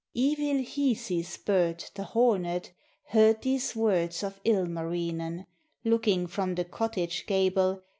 Evil Hisi's bird, the hornet. Heard these words of Ilmarinen, Looking from the cottage gable.